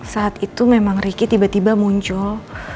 saat itu memang ricky tiba tiba muncul